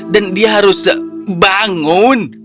dan dia harus bangun